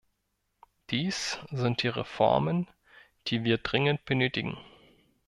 Dies sind die Reformen, die wir dringend benötigen.